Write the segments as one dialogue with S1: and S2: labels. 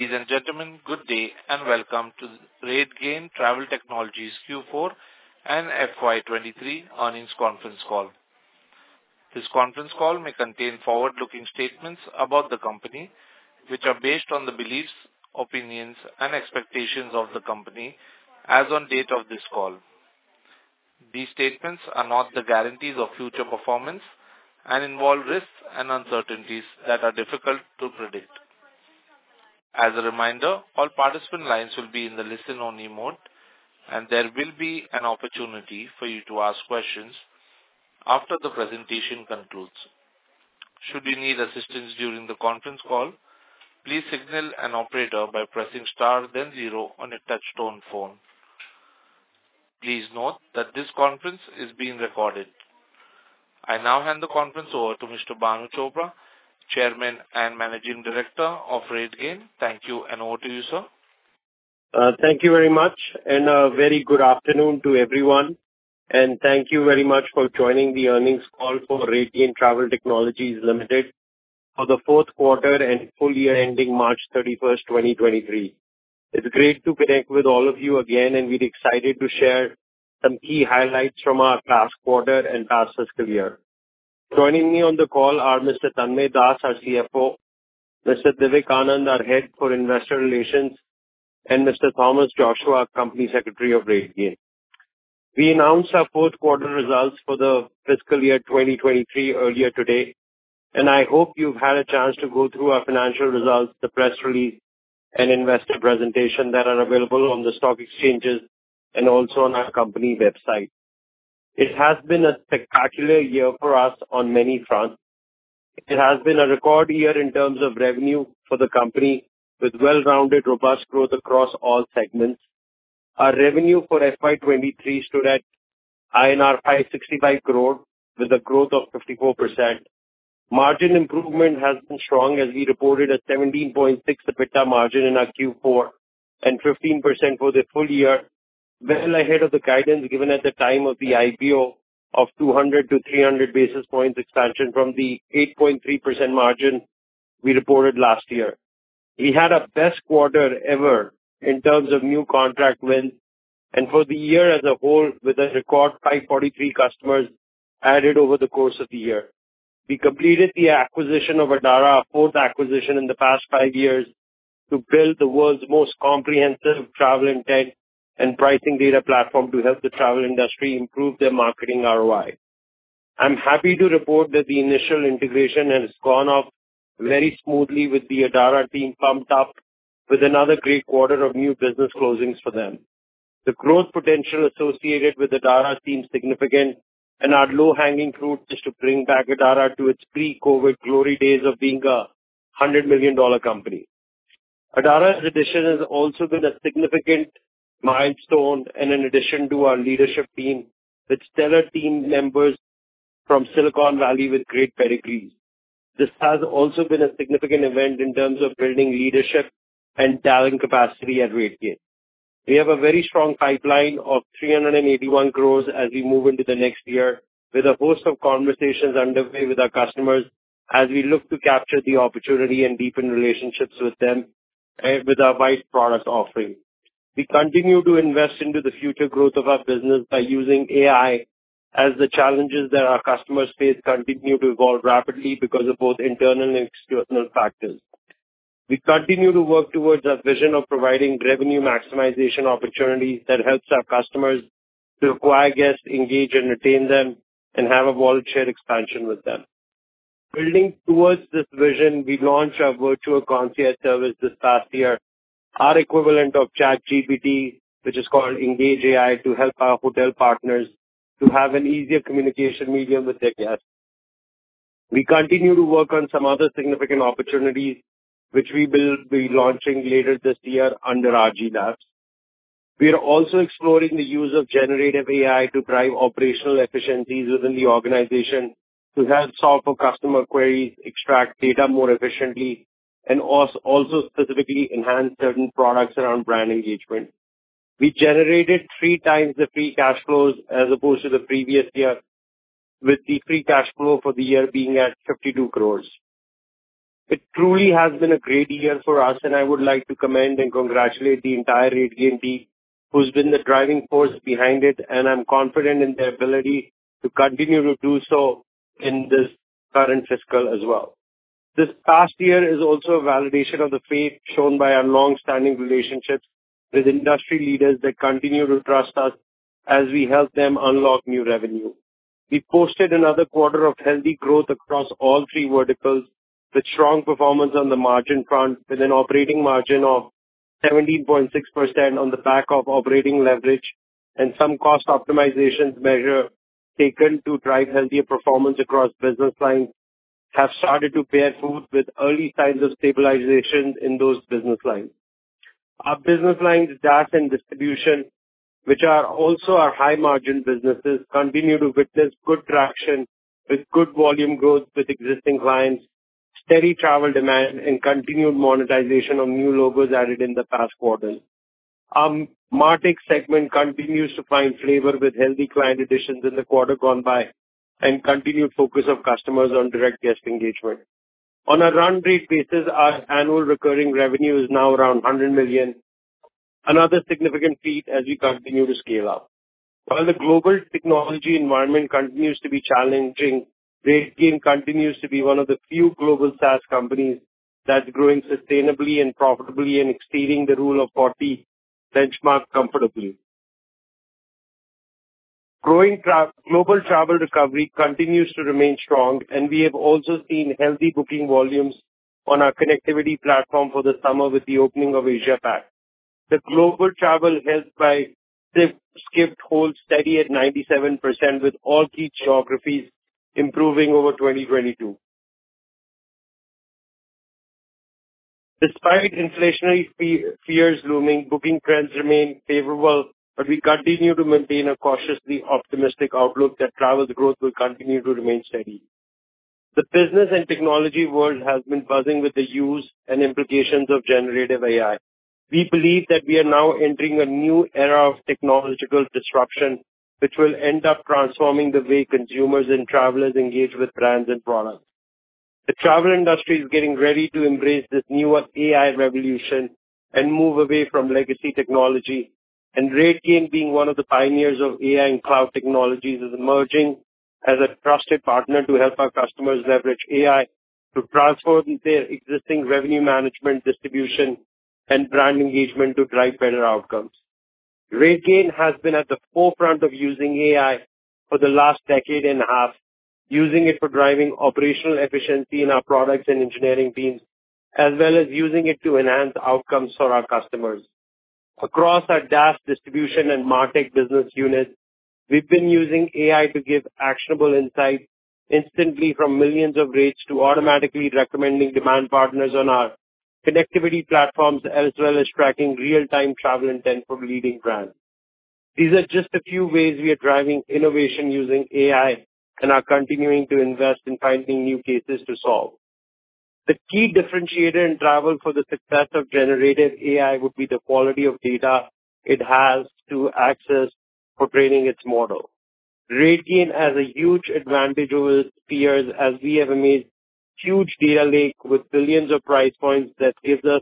S1: Ladies and gentlemen, good day and welcome to RateGain Travel Technologies Q4 and FY 23 earnings conference call. This conference call may contain forward-looking statements about the company, which are based on the beliefs, opinions and expectations of the company as on date of this call. These statements are not the guarantees of future performance and involve risks and uncertainties that are difficult to predict. As a reminder, all participant lines will be in the listen only mode, and there will be an opportunity for you to ask questions after the presentation concludes. Should you need assistance during the conference call, please signal an operator by pressing star then zero on your touch-tone phone. Please note that this conference is being recorded. I now hand the conference over to Mr. Bhanu Chopra, Chairman and Managing Director of RateGain. Thank you. Over to you, sir.
S2: Thank you very much and a very good afternoon to everyone, and thank you very much for joining the earnings call for RateGain Travel Technologies Limited for the fourth quarter and full year ending March 31, 2023. It's great to connect with all of you again, we're excited to share some key highlights from our past quarter and past fiscal year. Joining me on the call are Mr. Tanmaya Das, our CFO, Mr. Divik Anand, our Head for Investor Relations, and Mr. Thomas Joshua, our Company Secretary of RateGain. We announced our fourth quarter results for the fiscal year 2023 earlier today, I hope you've had a chance to go through our financial results, the press release and investor presentation that are available on the stock exchanges and also on our company website. It has been a spectacular year for us on many fronts. It has been a record year in terms of revenue for the company, with well-rounded, robust growth across all segments. Our revenue for FY 2023 stood at INR 565 crore with a growth of 54%. Margin improvement has been strong, as we reported a 17.6% EBITDA margin in our Q4 and 15% for the full year, well ahead of the guidance given at the time of the IPO of 200-300 basis points expansion from the 8.3% margin we reported last year. We had our best quarter ever in terms of new contract wins and for the year as a whole, with a record 543 customers added over the course of the year. We completed the acquisition of Adara, our fourth acquisition in the past five years, to build the world's most comprehensive travel and tech and pricing data platform to help the travel industry improve their marketing ROI. I'm happy to report that the initial integration has gone off very smoothly with the Adara team pumped up with another great quarter of new business closings for them. The growth potential associated with Adara seems significant, our low-hanging fruit is to bring back Adara to its pre-COVID glory days of being a $100 million dollar company. Adara's addition has also been a significant milestone and an addition to our leadership team with stellar team members from Silicon Valley with great pedigrees. This has also been a significant event in terms of building leadership and talent capacity at RateGain. We have a very strong pipeline of 381 crores as we move into the next year with a host of conversations underway with our customers as we look to capture the opportunity and deepen relationships with them, with our wide product offering. We continue to invest into the future growth of our business by using AI as the challenges that our customers face continue to evolve rapidly because of both internal and external factors. We continue to work towards our vision of providing revenue maximization opportunities that helps our customers to acquire guests, engage, and retain them, and have a wallet share expansion with them. Building towards this vision, we launched our virtual concierge service this past year, our equivalent of ChatGPT, which is called Engage AI, to help our hotel partners to have an easier communication medium with their guests. We continue to work on some other significant opportunities which we will be launching later this year under RG DaaS. We are also exploring the use of generative AI to drive operational efficiencies within the organization to help solve for customer queries, extract data more efficiently, and also specifically enhance certain products around brand engagement. We generated 3 times the free cash flows as opposed to the previous year, with the free cash flow for the year being at 52 crores. It truly has been a great year for us and I would like to commend and congratulate the entire RateGain team who's been the driving force behind it, and I'm confident in their ability to continue to do so in this current fiscal as well. This past year is also a validation of the faith shown by our long-standing relationships with industry leaders that continue to trust us as we help them unlock new revenue. We posted another quarter of healthy growth across all three verticals, with strong performance on the margin front, with an operating margin of 17.6% on the back of operating leverage and some cost optimization measure taken to drive healthier performance across business lines have started to bear fruit with early signs of stabilization in those business lines. Our business lines, DaaS and Distribution, which are also our high margin businesses, continue to witness good traction with good volume growth with existing clients, steady travel demand and continued monetization of new logos added in the past quarter. Our MarTech segment continues to find favor with healthy client additions in the quarter gone by and continued focus of customers on direct guest engagement. On a run rate basis, our annual recurring revenue is now around $100 million, another significant feat as we continue to scale up. While the global technology environment continues to be challenging, RateGain continues to be one of the few global SaaS companies that's growing sustainably and profitably and exceeding the rule of 40 benchmark comfortably. Global travel recovery continues to remain strong. We have also seen healthy booking volumes on our connectivity platform for the summer with the opening of Asia-Pac. The global travel health by Skift holds steady at 97% with all key geographies improving over 2022. Despite inflationary fears looming, booking trends remain favorable. We continue to maintain a cautiously optimistic outlook that travel growth will continue to remain steady. The business and technology world has been buzzing with the use and implications of generative AI. We believe that we are now entering a new era of technological disruption, which will end up transforming the way consumers and travelers engage with brands and products. The travel industry is getting ready to embrace this newest AI revolution and move away from legacy technology. RateGain, being one of the pioneers of AI and cloud technologies, is emerging as a trusted partner to help our customers leverage AI to transform their existing revenue management distribution and brand engagement to drive better outcomes. RateGain has been at the forefront of using AI for the last decade and a half, using it for driving operational efficiency in our products and engineering teams, as well as using it to enhance outcomes for our customers. Across our DaaS, Distribution, and MarTech business units, we've been using AI to give actionable insights instantly from millions of rates to automatically recommending demand partners on our connectivity platforms, as well as tracking real-time travel intent from leading brands. These are just a few ways we are driving innovation using AI and are continuing to invest in finding new cases to solve. The key differentiator in travel for the success of generative AI would be the quality of data it has to access for training its model. RateGain has a huge advantage over peers as we have amassed huge data lake with billions of price points that gives us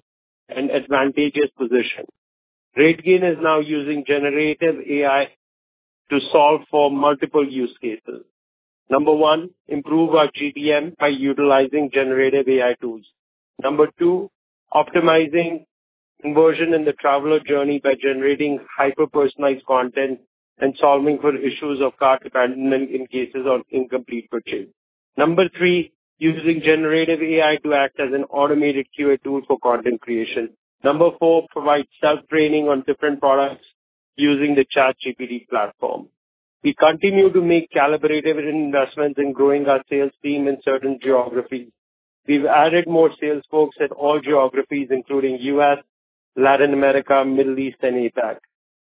S2: an advantageous position. RateGain is now using generative AI to solve for multiple use cases. Number one, improve our GDM by utilizing generative AI tools. Number two, optimizing conversion in the traveler journey by generating hyper-personalized content and solving for issues of cart abandonment in cases of incomplete purchase. Number three, using generative AI to act as an automated QA tool for content creation. Number four, provide self-training on different products using the ChatGPT platform. We continue to make collaborative investments in growing our sales team in certain geographies. We've added more sales folks at all geographies, including U.S., Latin America, Middle East, and APAC.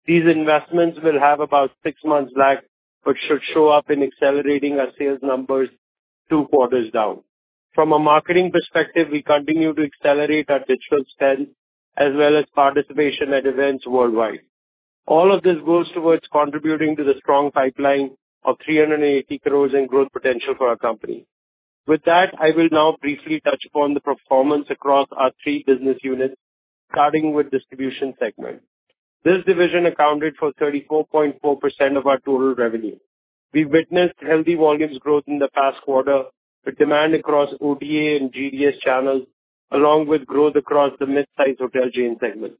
S2: These investments will have about six months lag, but should show up in accelerating our sales numbers two quarters down. From a marketing perspective, we continue to accelerate our digital spend as well as participation at events worldwide. All of this goes towards contributing to the strong pipeline of 380 crores in growth potential for our company. With that, I will now briefly touch upon the performance across our three business units, starting with Distribution segment. This division accounted for 34.4% of our total revenue. We've witnessed healthy volumes growth in the past quarter, with demand across OTA and GDS channels, along with growth across the midsize hotel chain segment.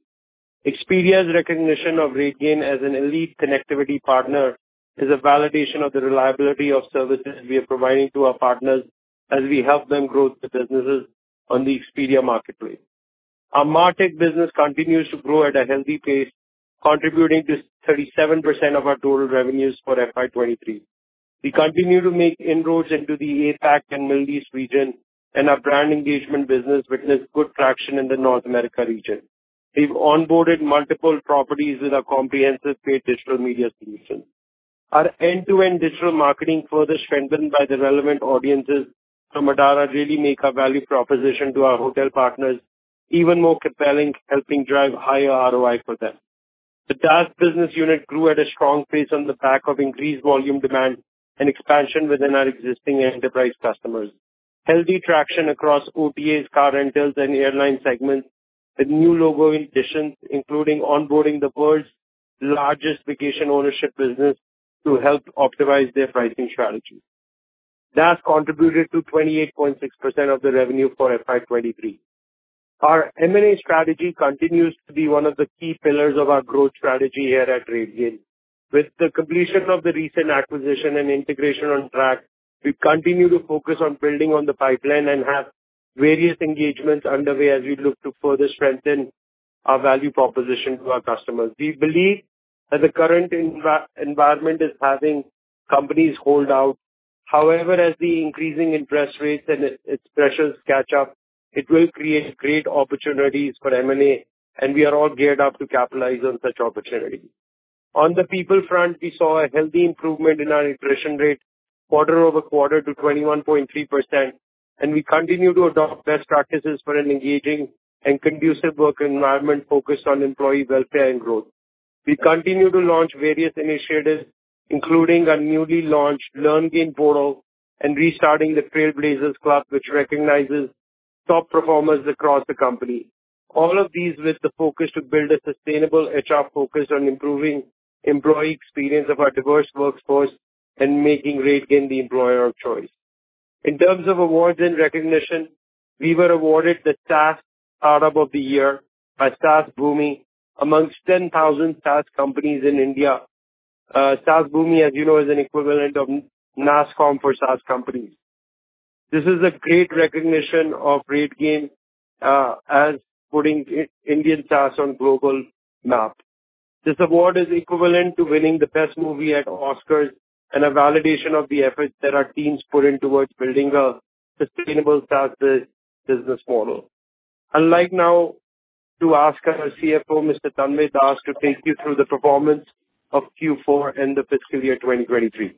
S2: Expedia's recognition of RateGain as an elite connectivity partner is a validation of the reliability of services we are providing to our partners as we help them grow their businesses on the Expedia Marketplace. Our MarTech business continues to grow at a healthy pace, contributing to 37% of our total revenues for FY 2023. We continue to make inroads into the APAC and Middle East region, and our brand engagement business witnessed good traction in the North America region. We've onboarded multiple properties with our comprehensive paid digital media solution. Our end-to-end digital marketing further strengthened by the relevant audiences from Adara really make our value proposition to our hotel partners even more compelling, helping drive higher ROI for them. The DaaS business unit grew at a strong pace on the back of increased volume demand and expansion within our existing enterprise customers. Healthy traction across OTAs, car rentals, and airline segments with new logo additions, including onboarding the world's largest vacation ownership business to help optimize their pricing strategy. DaaS contributed to 28.6% of the revenue for FY 2023. Our M&A strategy continues to be one of the key pillars of our growth strategy here at RateGain. With the completion of the recent acquisition and integration on track, we continue to focus on building on the pipeline and have various engagements underway as we look to further strengthen our value proposition to our customers. We believe that the current environment is having companies hold out. However, as the increasing interest rates and its pressures catch up, it will create great opportunities for M&A, and we are all geared up to capitalize on such opportunity. On the people front, we saw a healthy improvement in our attrition rate quarter over quarter to 21.3%, and we continue to adopt best practices for an engaging and conducive work environment focused on employee welfare and growth. We continue to launch various initiatives, including our newly launched LearnGain portal and restarting the Trailblazers Club, which recognizes top performers across the company. All of these with the focus to build a sustainable HR focus on improving employee experience of our diverse workforce and making RateGain the employer of choice. In terms of awards and recognition, we were awarded the SaaS Startup of the Year by SaaSBoomi amongst 10,000 SaaS companies in India. SaaSBoomi, as you know, is an equivalent of Nasscom for SaaS companies. This is a great recognition of RateGain as putting Indian SaaS on global map. This award is equivalent to winning the best movie at Oscars and a validation of the efforts that our teams put in towards building a sustainable SaaS business model. I'd like now to ask our CFO, Mr. Tanmaya Das, to take you through the performance of Q4 and the fiscal year 2023.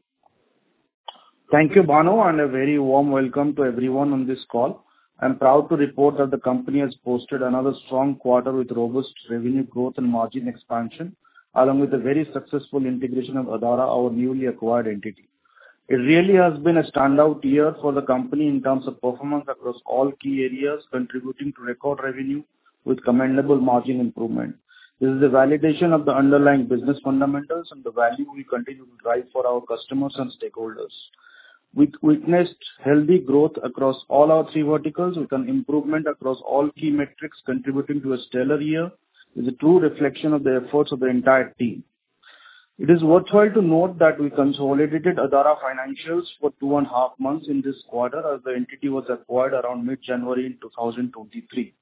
S3: Thank you, Bhanu. A very warm welcome to everyone on this call. I'm proud to report that the company has posted another strong quarter with robust revenue growth and margin expansion, along with a very successful integration of Adara, our newly acquired entity. It really has been a standout year for the company in terms of performance across all key areas, contributing to record revenue with commendable margin improvement. This is a validation of the underlying business fundamentals and the value we continue to drive for our customers and stakeholders. We've witnessed healthy growth across all our three verticals with an improvement across all key metrics contributing to a stellar year is a true reflection of the efforts of the entire team. It is worthwhile to note that we consolidated Adara financials for two and a half months in this quarter, as the entity was acquired around mid-January in 2023.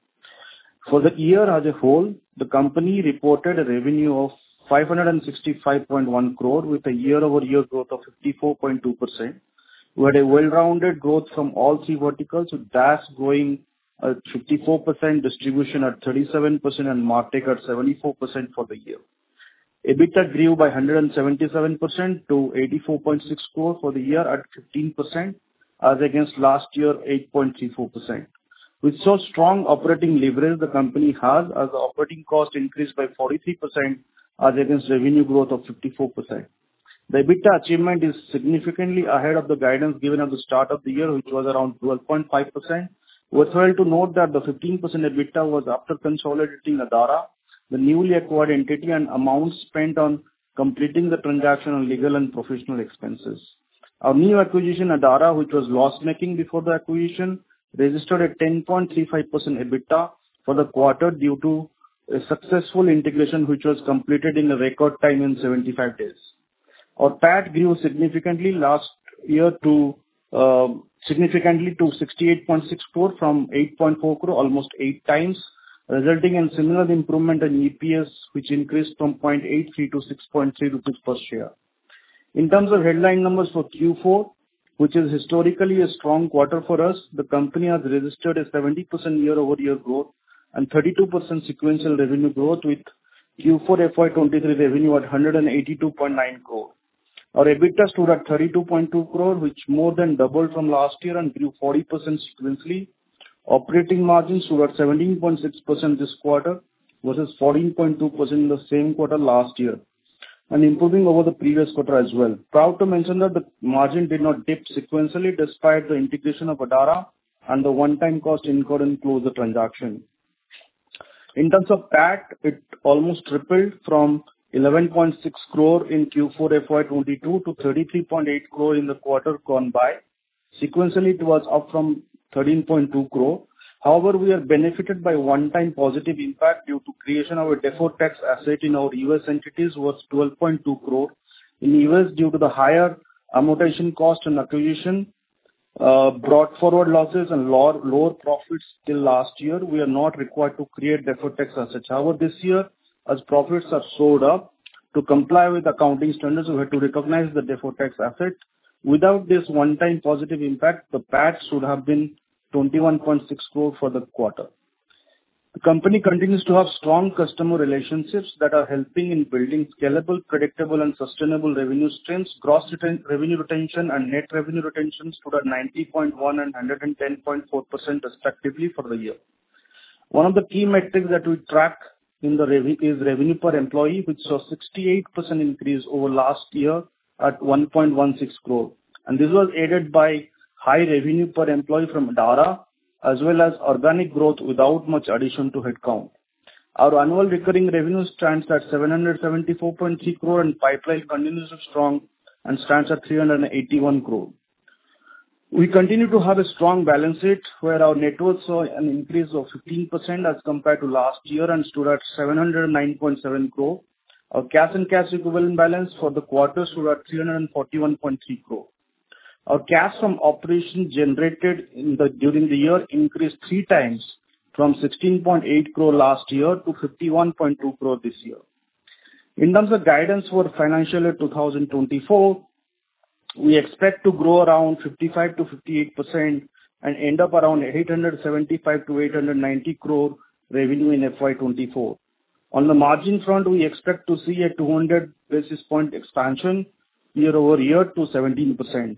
S3: For the year as a whole, the company reported a revenue of 565.1 crore with a year-over-year growth of 54.2%. We had a well-rounded growth from all three verticals, with DaaS growing at 54%, distribution at 37%, and MarTech at 74% for the year. EBITDA grew by 177% to 84.6 crore for the year at 15% as against last year 8.34%. Strong operating leverage the company has, as operating costs increased by 43% as against revenue growth of 54%. The EBITDA achievement is significantly ahead of the guidance given at the start of the year, which was around 12.5%. Worthwhile to note that the 15% EBITDA was after consolidating Adara, the newly acquired entity, and amounts spent on completing the transaction on legal and professional expenses. Our new acquisition, Adara, which was loss-making before the acquisition, registered a 10.35% EBITDA for the quarter due to a successful integration which was completed in a record time in 75 days. Our PAT grew significantly last year to significantly to 68.6 crore from 8.4 crore, almost 8 times, resulting in similar improvement in EPS, which increased from 0.83 rupees to 6.3 rupees per share. In terms of headline numbers for Q4, which is historically a strong quarter for us, the company has registered a 70% year-over-year growth and 32% sequential revenue growth with Q4 FY23 revenue at 182.9 crore. Our EBITDA stood at 32.2 crore, which more than doubled from last year and grew 40% sequentially. Operating margins stood at 17.6% this quarter versus 14.2% in the same quarter last year and improving over the previous quarter as well. Proud to mention that the margin did not dip sequentially despite the integration of Adara and the one-time cost incurred in closure transaction. In terms of PAT, it almost tripled from 11.6 crore in Q4 FY22 to 33.8 crore in the quarter gone by. Sequentially, it was up from 13.2 crore. We are benefited by one-time positive impact due to creation of a deferred tax asset in our US entities was 12.2 crore. In US, due to the higher amortization cost and acquisition, brought forward losses and lower profits till last year, we are not required to create deferred tax as such. This year, as profits are soared up, to comply with accounting standards, we had to recognize the deferred tax asset. Without this one-time positive impact, the PAT should have been 21.6 crore for the quarter. The company continues to have strong customer relationships that are helping in building scalable, predictable and sustainable revenue streams. Gross revenue retention and net revenue retention stood at 90.1 and 110.4% respectively for the year. One of the key metrics that we track is revenue per employee, which saw 68% increase over last year at 1.16 crore. This was aided by high revenue per employee from Adara, as well as organic growth without much addition to headcount. Our annual recurring revenue stands at 774.3 crore, and pipeline continues strong and stands at 381 crore. We continue to have a strong balance sheet, where our net worth saw an increase of 15% as compared to last year and stood at 709.7 crore. Our cash and cash equivalent balance for the quarter stood at 341.3 crore. Our cash from operation generated during the year increased 3 times from 16.8 crore last year to 51.2 crore this year. In terms of guidance for financial year 2024. We expect to grow around 55%-58% and end up around 875 crore-890 crore revenue in FY 2024. On the margin front, we expect to see a 200 basis point expansion year-over-year to 17%.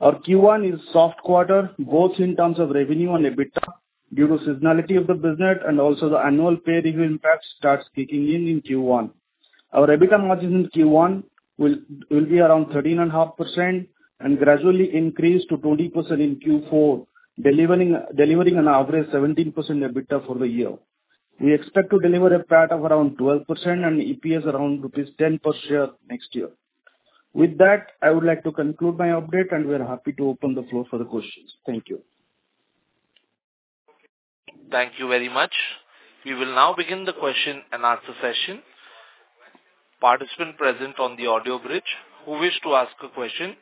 S3: Our Q1 is soft quarter, both in terms of revenue and EBITDA, due to seasonality of the business and also the annual pay review impact starts kicking in Q1. Our EBITDA margin in Q1 will be around 13.5% and gradually increase to 20% in Q4, delivering an average 17% EBITDA for the year. We expect to deliver a PAT of around 12% and EPS around rupees 10 per share next year. With that, I would like to conclude my update, and we're happy to open the floor for the questions. Thank you.
S1: Thank you very much. We will now begin the question and answer session. Participants present on the audio bridge who wish to ask a question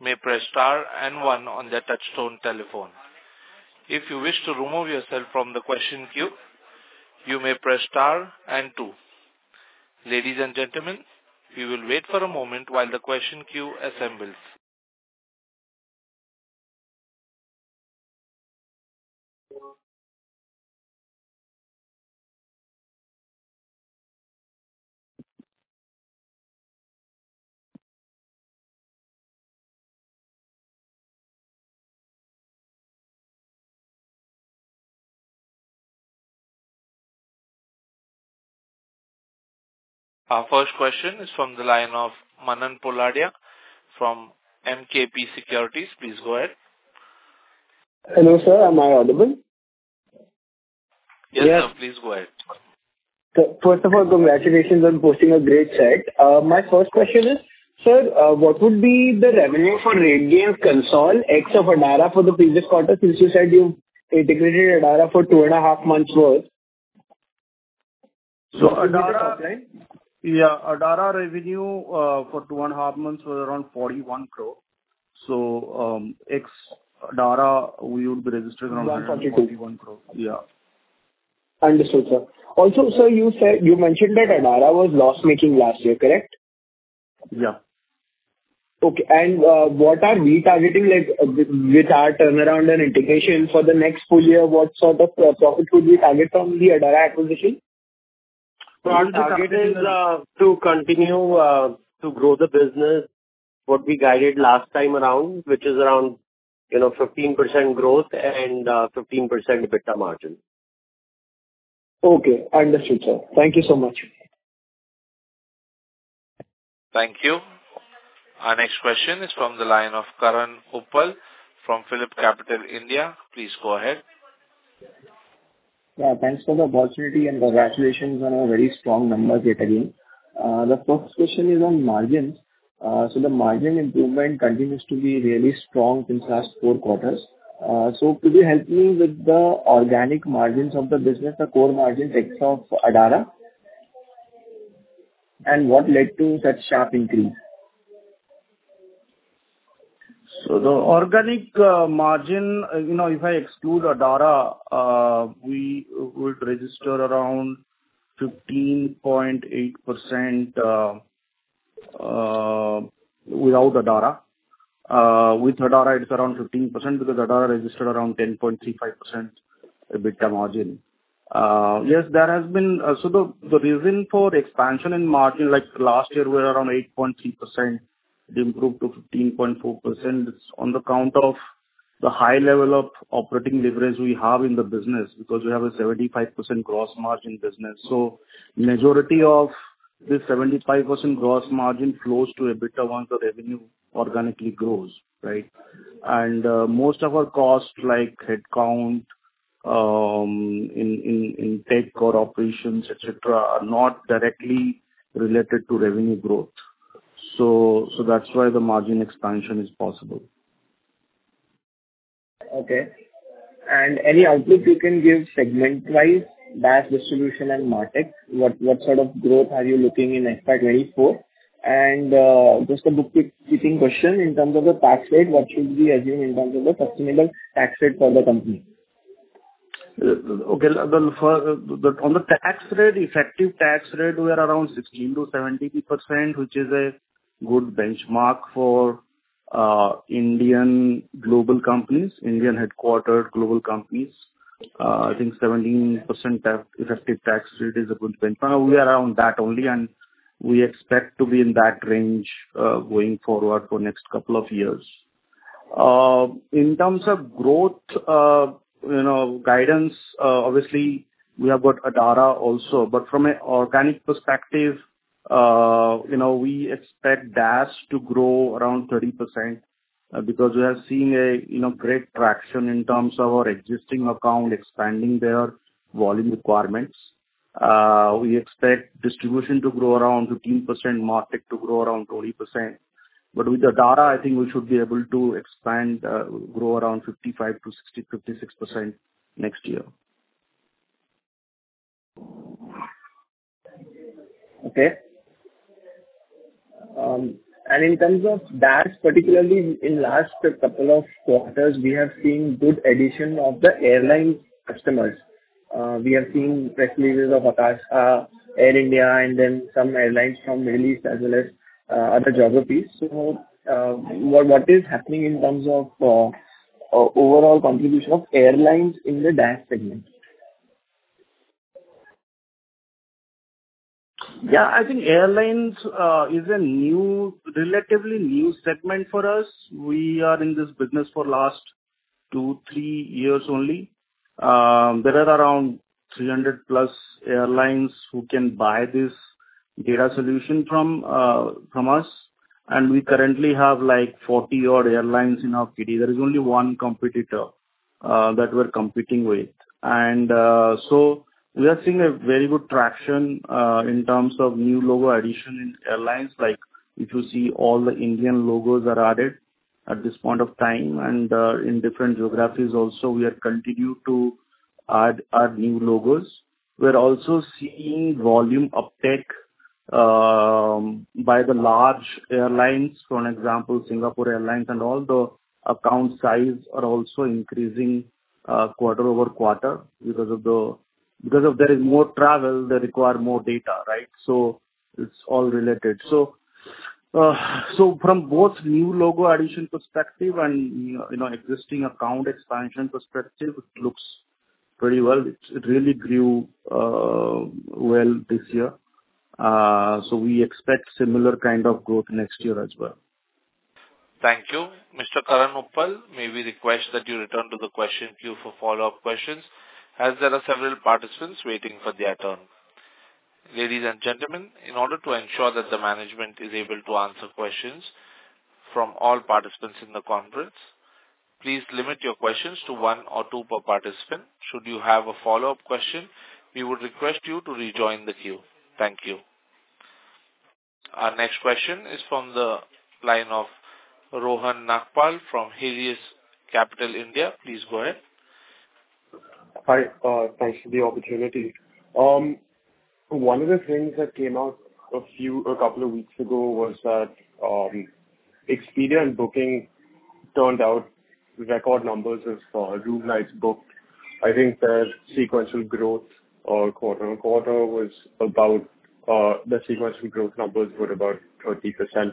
S1: may press star and one on their touchtone telephone. If you wish to remove yourself from the question queue, you may press star and two. Ladies and gentlemen, we will wait for a moment while the question queue assembles. Our first question is from the line of Manan Poladia fromMKP Securities. Please go ahead.
S4: Hello, sir. Am I audible?
S1: Yes, sir. Please go ahead.
S4: First of all, congratulations on posting a great chat. My first question is, sir, what would be the revenue for RateGain console ex of Adara for the previous quarter, since you said you integrated Adara for two and a half months worth?
S3: Adara.
S4: Is that correct?
S3: Yeah. Adara revenue for two and a half months was around 41 crore. ex Adara, we would be registered around.
S4: 142.
S3: 141 crore. Yeah.
S4: Understood, sir. Sir, you mentioned that Adara was loss-making last year, correct?
S3: Yeah.
S4: Okay. What are we targeting, like, with our turnaround and integration for the next full year, what sort of profit should we target from the Adara acquisition?
S3: Our target is to continue to grow the business what we guided last time around, which is around, you know, 15% growth and 15% EBITDA margin.
S4: Okay, understood, sir. Thank you so much.
S1: Thank you. Our next question is from the line of Karan Uppal from PhillipCapital. Please go ahead.
S5: Yeah, thanks for the opportunity, and congratulations on a very strong numbers yet again. The first question is on margins. The margin improvement continues to be really strong since last 4 quarters. Could you help me with the organic margins of the business, the core margin ex of Adara? What led to such sharp increase?
S3: The organic margin, you know, if I exclude Adara, we would register around 15.8% without Adara. With Adara it is around 15% because Adara registered around 10.35% EBITDA margin. The reason for expansion in margin, like last year we were around 8.3%, it improved to 15.4%. It's on the count of the high level of operating leverage we have in the business because we have a 75% gross margin business. Majority of this 75% gross margin flows to EBITDA once the revenue organically grows, right? Most of our costs, like headcount, in tech or operations, et cetera, are not directly related to revenue growth. That's why the margin expansion is possible.
S5: Okay. Any outlook you can give segment-wise, DaaS distribution and MarTech, what sort of growth are you looking in FY 2024? Just a bookkeeping question, in terms of the tax rate, what should we assume in terms of the sustainable tax rate for the company?
S3: Okay. Well, on the tax rate, effective tax rate, we are around 16%-17%, which is a good benchmark for Indian global companies, Indian headquartered global companies. I think 17% effective tax rate is a good benchmark. We are around that only, and we expect to be in that range going forward for next couple of years. In terms of growth, you know, guidance, obviously we have got Adara also. From an organic perspective, you know, we expect DaaS to grow around 30% because we are seeing a, you know, great traction in terms of our existing account expanding their volume requirements. We expect distribution to grow around 15%, MarTech to grow around 20%. With Adara, I think we should be able to expand, grow around 55%-60%, 56% next year.
S5: Okay. In terms of DaaS particularly, in last couple of quarters, we have seen good addition of the airline customers. We are seeing press releases of Akasa Air India and then some airlines from Middle East as well as, other geographies. What is happening in terms of, overall contribution of airlines in the DaaS segment?
S3: Yeah, I think airlines is a new, relatively new segment for us. We are in this business for last two, three years only. There are around 300 plus airlines who can buy this data solution from us, and we currently have, like, 40-odd airlines in our kitty. There is only one competitor that we're competing with. We are seeing a very good traction in terms of new logo addition in airlines. Like if you see all the Indian logos are added at this point of time. In different geographies also we are continue to add new logos. We are also seeing volume uptake by the large airlines, for an example, Singapore Airlines. All the account size are also increasing, quarter-over-quarter because if there is more travel, they require more data, right? It's all related. From both new logo addition perspective and, you know, existing account expansion perspective, it looks pretty well. It really grew well this year. We expect similar kind of growth next year as well.
S1: Thank you. Mr. Karan Uppal, may we request that you return to the question queue for follow-up questions, as there are several participants waiting for their turn. Ladies and gentlemen, in order to ensure that the management is able to answer questions from all participants in the conference, please limit your questions to one or two per participant. Should you have a follow-up question, we would request you to rejoin the queue. Thank you. Our next question is from the line of Rohan Nagpal from Helios Capital. Please go ahead.
S6: Hi, thanks for the opportunity. One of the things that came out a couple of weeks ago was that Expedia and Booking turned out record numbers of room nights booked. I think their sequential growth or quarter-on-quarter was about the sequential growth numbers were about 30%.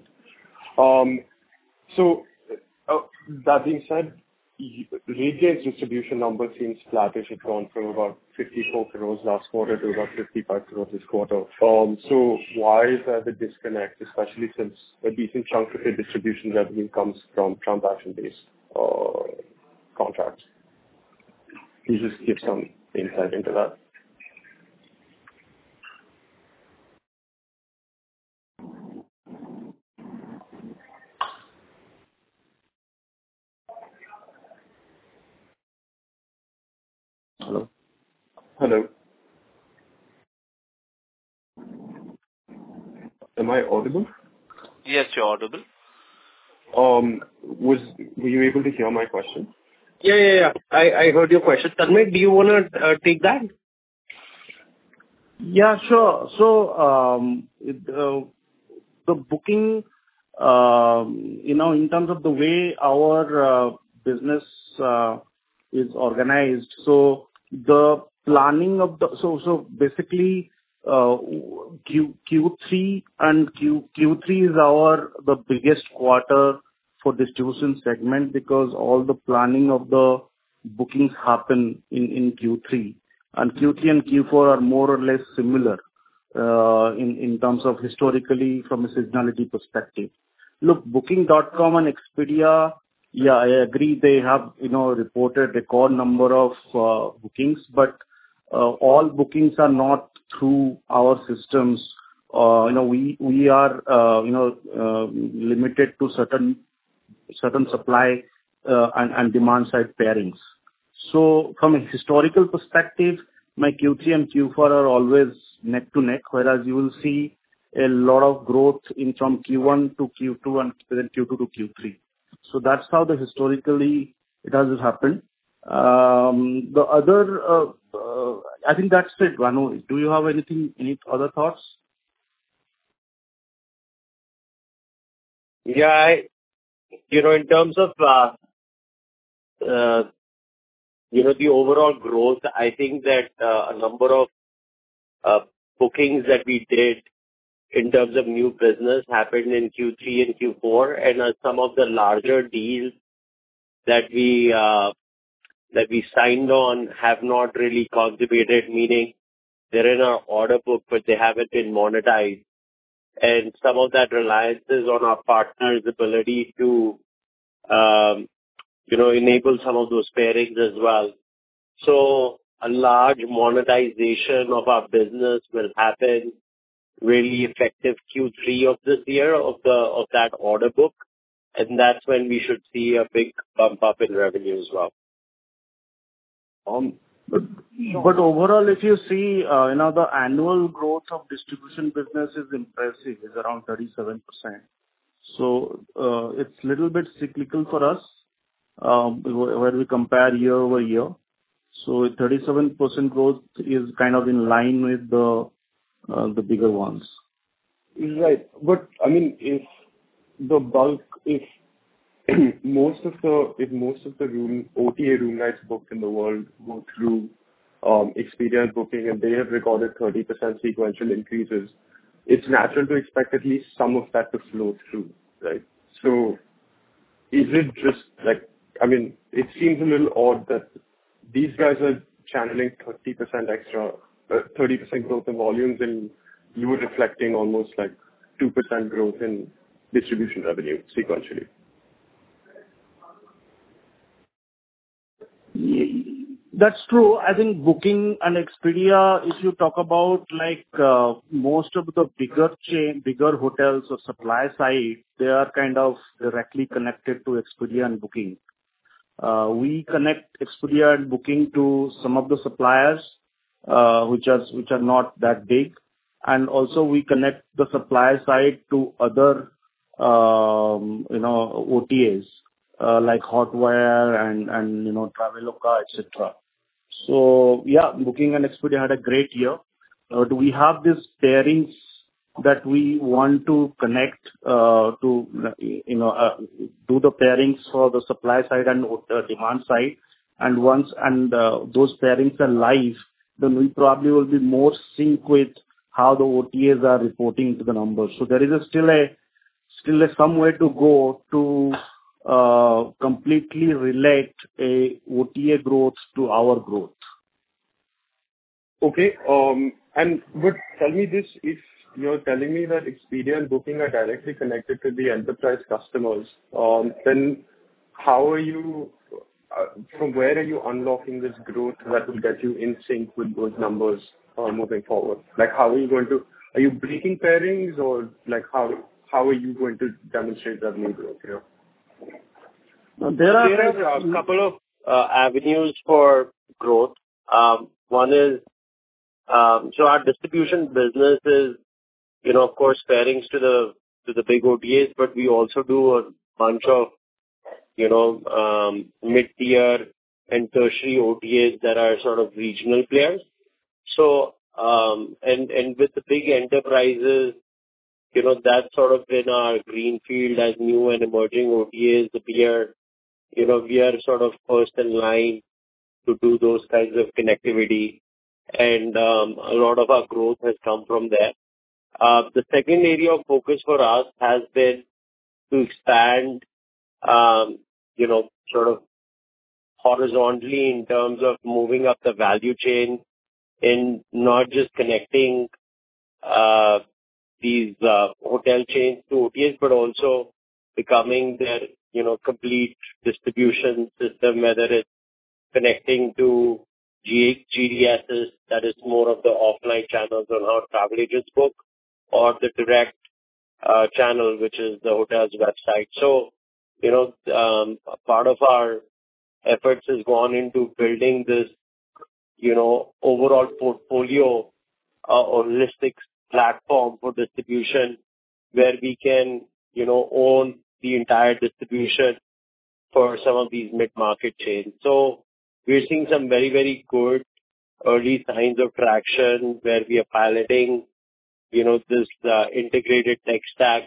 S6: That being said, RateGain distribution numbers seems flattish. It's gone from about 54 crores last quarter to about 55 crores this quarter. Why is there the disconnect, especially since a decent chunk of the distribution revenue comes from transaction-based contracts? Can you just give some insight into that? Hello? Hello. Am I audible?
S1: Yes, you're audible.
S6: Were you able to hear my question?
S2: Yeah. Yeah. Yeah. I heard your question. Tanmay, do you wanna take that?
S3: Yeah, sure. The booking, you know, in terms of the way our business is organized. Basically, Q3 is our, the biggest quarter for distribution segment because all the planning of the bookings happen in Q3. Q3 and Q4 are more or less similar in terms of historically from a seasonality perspective. Look, Booking.com and Expedia, yeah, I agree, they have, you know, reported record number of bookings. All bookings are not through our systems. You know, we are, you know, limited to certain supply and demand side pairings. From a historical perspective, my Q3 and Q4 are always neck to neck, whereas you will see a lot of growth in from Q1 to Q2 and Q2 to Q3. That's how the historically it has happened. The other, I think that's it, Bhanu. Do you have anything, any other thoughts?
S2: Yeah. You know, in terms of, you know, the overall growth, I think that a number of bookings that we did in terms of new business happened in Q3 and Q4. Some of the larger deals that we signed on have not really contributed, meaning they're in our order book, but they haven't been monetized. Some of that relies is on our partners' ability to, you know, enable some of those pairings as well. A large monetization of our business will happen really effective Q3 of this year of that order book, that's when we should see a big bump up in revenue as well.
S3: Overall, if you see, the annual growth of distribution business is impressive. It's around 37%. It's little bit cyclical for us when we compare year-over-year. 37% growth is kind of in line with the bigger ones.
S6: Right. I mean, if the bulk, if most of the, if most of the OTA room nights booked in the world go through Expedia and Booking, and they have recorded 30% sequential increases, it's natural to expect at least some of that to flow through, right? Is it just like... I mean, it seems a little odd that these guys are channeling 30% extra, 30% growth in volumes, and you are reflecting almost like 2% growth in distribution revenue sequentially.
S2: That's true. I think Booking and Expedia, if you talk about like, most of the bigger chain, bigger hotels or supply side, they are kind of directly connected to Expedia and Booking. We connect Expedia and Booking to some of the suppliers, which are not that big. Also we connect the supply side to other, you know, OTAs, like Hotwire and, you know, Traveloka, et cetera. Yeah, Booking and Expedia had a great year. Do we have these pairings that we want to connect, to, you know, do the pairings for the supply side and the demand side. Once those pairings are live, then we probably will be more sync with how the OTAs are reporting to the numbers. there is a still a some way to go to completely relate a OTA growth to our growth.
S6: Tell me this, if you're telling me that Expedia and Booking are directly connected to the enterprise customers, then from where are you unlocking this growth that will get you in sync with those numbers, moving forward? Like, how are you going to demonstrate revenue growth here?
S2: There are a couple of avenues for growth. One is, so our distribution business is, you know, of course, pairings to the big OTAs, but we also do a bunch of, you know, mid-tier and tertiary OTAs that are sort of regional players. With the big enterprises, you know, that's sort of been our green field as new and emerging OTAs. We are, you know, we are sort of first in line to do those kinds of connectivity. A lot of our growth has come from there. The second area of focus for us has been to expand, you know, sort of horizontally in terms of moving up the value chain in not just connecting these hotel chains to OTAs, but also becoming their, you know, complete distribution system, whether it's connecting to GDSs, that is more of the offline channels on how travel agents book or the direct channel, which is the hotel's website. Part of our efforts has gone into building this, you know, overall portfolio, or holistic platform for distribution where we can, you know, own the entire distribution for some of these mid-market chains. We're seeing some very, very good early signs of traction where we are piloting, you know, this integrated tech stack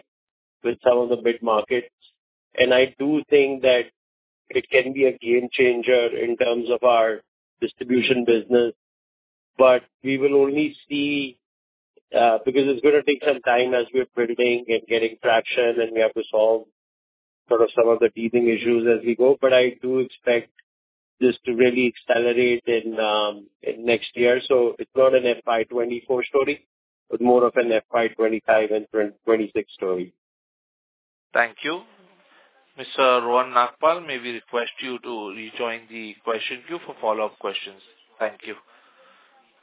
S2: with some of the big markets. I do think that it can be a game changer in terms of our distribution business, we will only see, because it's gonna take some time as we're building and getting traction, and we have to solve sort of some of the teething issues as we go. I do expect this to really accelerate in next year. It's not an FY 24 story, but more of an FY 25 and 26 story.
S1: Thank you. Mr. Rohan Nagpal, may we request you to rejoin the question queue for follow-up questions. Thank you.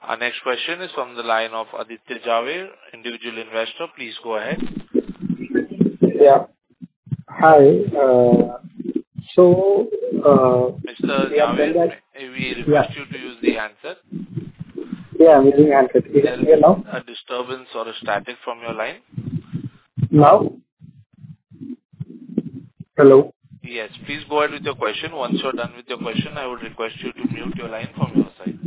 S1: Our next question is from the line of Aditya Jhaveri, individual investor. Please go ahead.
S7: Yeah. Hi.
S1: Mr. Jhaveri, may we request you to use the answer?
S7: Yeah, I'm using answer. Can you hear now?
S1: There is a disturbance or a static from your line.
S7: Now? Hello.
S1: Yes. Please go ahead with your question. Once you're done with your question, I would request you to mute your line from your side.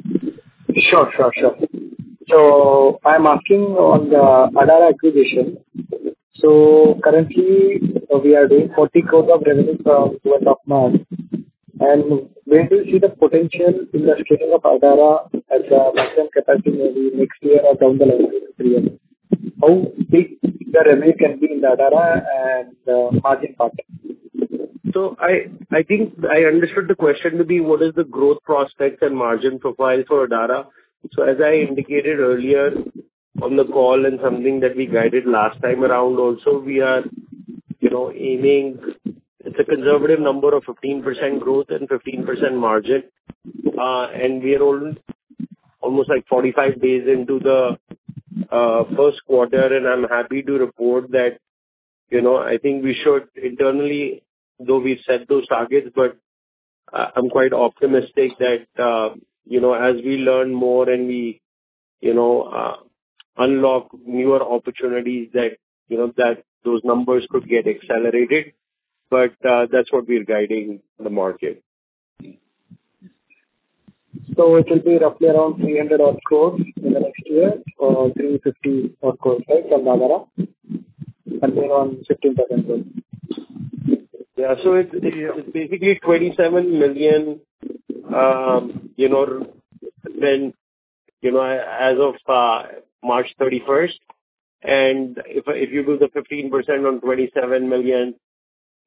S7: Sure, sure. I'm asking on the Adara acquisition. Currently we are doing 40 crore of revenue from month of March. Where do you see the potential in the scaling of Adara at the maximum capacity, maybe next year or down the line in 3 years? How big the revenue can be in the Adara and margin profit?
S2: I think I understood the question to be what is the growth prospects and margin profile for Adara. As I indicated earlier on the call and something that we guided last time around also, we are, you know, aiming it's a conservative number of 15% growth and 15% margin. We are only almost like 45 days into the first quarter, and I'm happy to report that, you know, I think we should internally, though we've set those targets, but I'm quite optimistic that, you know, as we learn more and we, you know, unlock newer opportunities that, you know, those numbers could get accelerated. That's what we're guiding the market.
S7: It will be roughly around 300 odd crores in the next year or 350 odd crores, right, from Adara? On 15% growth.
S2: Yeah. It's basically $27 million, you know, then, you know, as of March 31st. If you do the 15% on $27 million,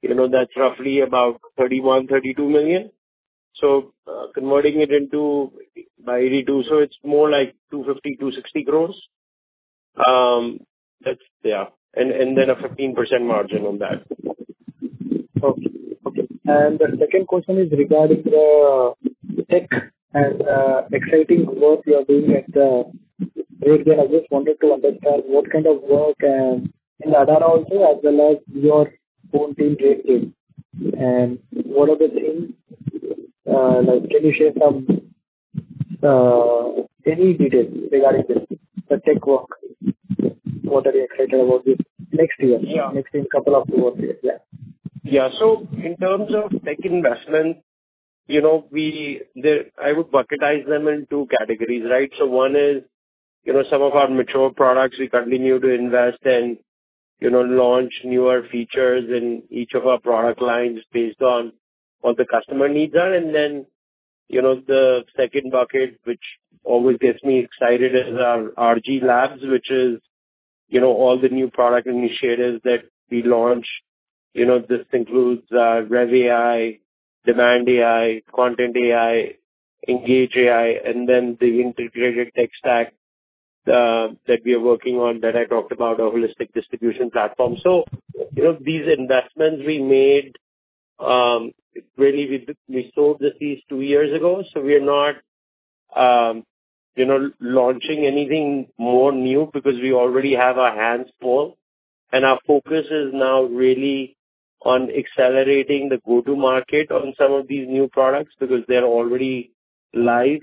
S2: you know, that's roughly about $31-32 million. Converting it into by 82, it's more like 250-260 crores. That's. Yeah. Then a 15% margin on that.
S7: Okay. Okay. The second question is regarding the tech and exciting work you are doing at RateGain. I just wanted to understand what kind of work, and in Adara also, as well as your own team, RateGain. What are the things, like can you share some any details regarding this, the tech work? What are you excited about this next year?
S2: Yeah.
S7: next couple of years? Yeah.
S2: Yeah. In terms of tech investment, you know, I would bucketize them in two categories, right? One is, you know, some of our mature products we continue to invest and, you know, launch newer features in each of our product lines based on what the customer needs are. Then, you know, the second bucket, which always gets me excited, is our RG Labs, which is, you know, all the new product initiatives that we launch. You know, this includes revAI, Demand.AI, Content.AI, Engage AI, and then the integrated tech stack that we are working on that I talked about, our holistic distribution platform. These investments we made, really we sowed the seeds two years ago, we are not, you know, launching anything more new because we already have our hands full. Our focus is now really on accelerating the go-to market on some of these new products because they're already live,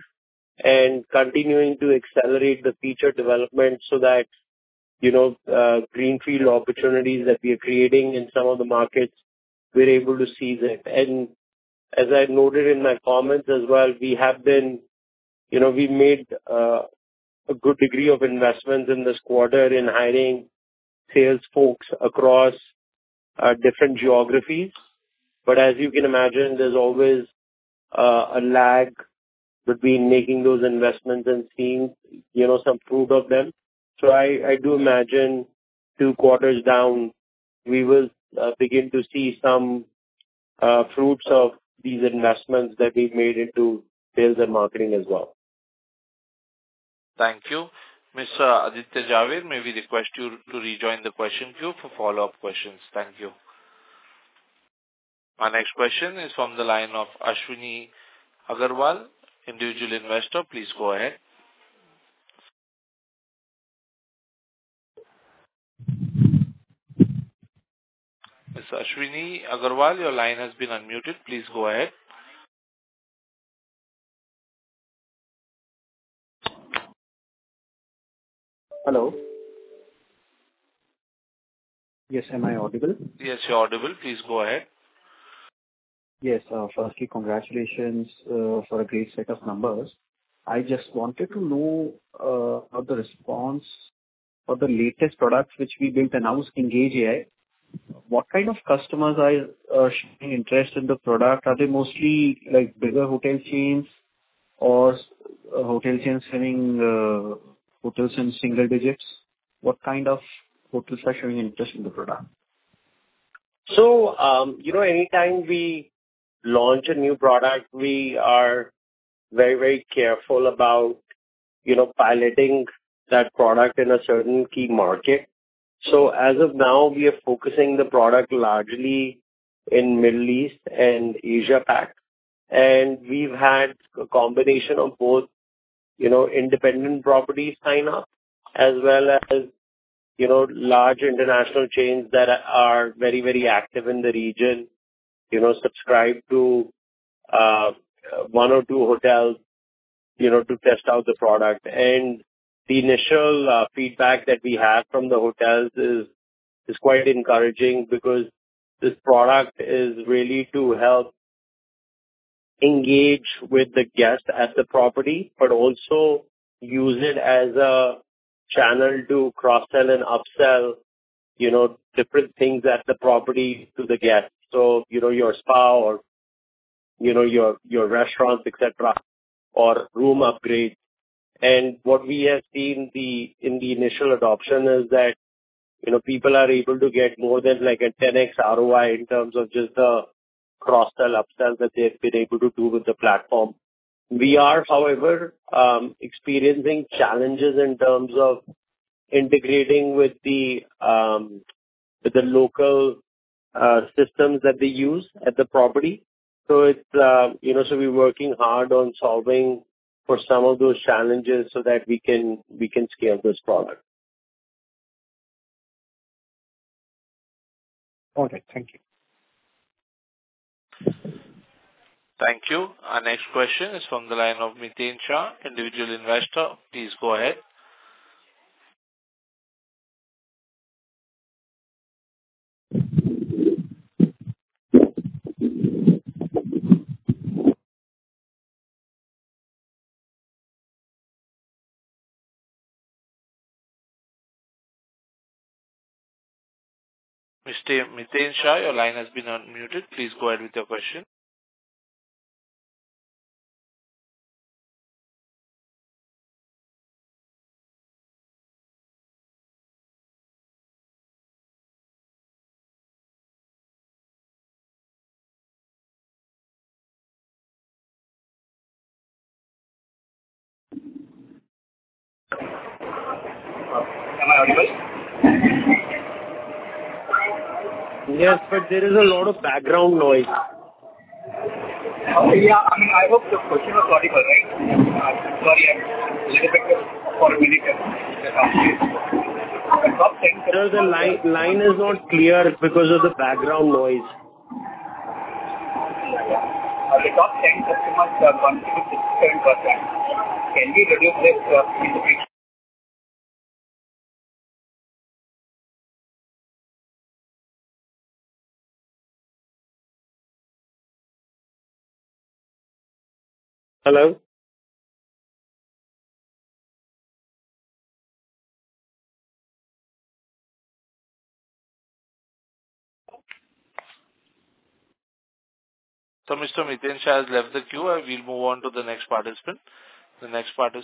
S2: and continuing to accelerate the feature development so that, you know, greenfield opportunities that we are creating in some of the markets, we're able to seize it. As I noted in my comments as well, we have been, you know, we made a good degree of investments in this quarter in hiring sales folks across different geographies. As you can imagine, there's always a lag between making those investments and seeing, you know, some fruit of them. I do imagine 2 quarters down we will begin to see some fruits of these investments that we've made into sales and marketing as well.
S1: Thank you. Mr. Aditya Jhaveri, may we request you to rejoin the question queue for follow-up questions. Thank you. Our next question is from the line of Ashwini Agarwal, individual investor. Please go ahead. Ms. Ashwini Agarwal, your line has been unmuted. Please go ahead.
S8: Hello. Yes. Am I audible?
S1: Yes, you're audible. Please go ahead.
S8: Yes. Firstly, congratulations for a great set of numbers. I just wanted to know of the response of the latest products which we built announced, EngageAI. What kind of customers are showing interest in the product? Are they mostly like bigger hotel chains or hotel chains having hotels in single digits? What kind of hotels are showing interest in the product?
S2: you know, anytime we launch a new product, we are very, very careful about, you know, piloting that product in a certain key market. As of now we are focusing the product largely in Middle East and Asia Pac. We've had a combination of both, you know, independent properties sign up as well as, you know, large international chains that are very, very active in the region, you know, subscribe to one or two hotels, you know, to test out the product. The initial feedback that we have from the hotels is quite encouraging because this product is really to help engage with the guest at the property, but also use it as a channel to cross-sell and up-sell, you know, different things at the property to the guest. You know, your spa or, you know, your restaurants, et cetera, or room upgrade. What we have seen the, in the initial adoption is that, you know, people are able to get more than like a 10x ROI in terms of just the cross-sell, up-sell that they've been able to do with the platform. We are, however, experiencing challenges in terms of integrating with the local systems that they use at the property. It's, you know, so we're working hard on solving for some of those challenges so that we can, we can scale this product.
S8: Okay. Thank you.
S1: Thank you. Our next question is from the line of Nitin Shah, individual investor. Please go ahead. Mr. Nitin Shah, your line has been unmuted. Please go ahead with your question.
S2: Am I audible? Yes, there is a lot of background noise.
S9: Yeah, I hope the question was audible, right? Sorry, I'm little bit of foreign.
S2: Sir, the line is not clear because of the background noise.
S9: The top 10 customers are contributing 67%. Can we reduce this, to-
S1: Hello? Mr. Nitin Shah has left the queue. We'll move on to the next participant. The next question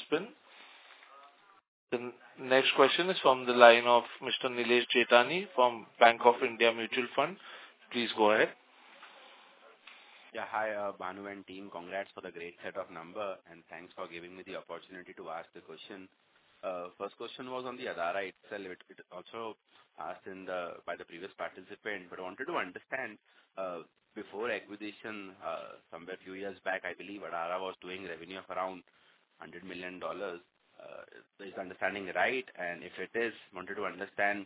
S1: is from the line of Mr. Nilesh Jethani from Bank of India Mutual Fund. Please go ahead.
S10: Yeah. Hi, Bhanu and team. Congrats for the great set of number, and thanks for giving me the opportunity to ask the question. First question was on the Adara itself. It also asked by the previous participant, but I wanted to understand, before acquisition, somewhere a few years back, I believe Adara was doing revenue of around $100 million. Is this understanding right? If it is, wanted to understand,